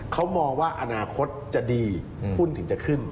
เขามองว่าอนาคตจะดีหุ้นถึงจะขึ้น